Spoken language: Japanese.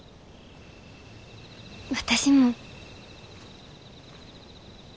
私も。